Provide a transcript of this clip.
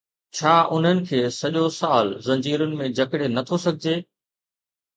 ڇا انهن کي سڄو سال زنجيرن ۾ جڪڙي نٿو سگهجي؟